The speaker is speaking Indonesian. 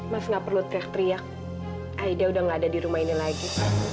mas nggak perlu teriak teriak aida udah nggak ada di rumah ini lagi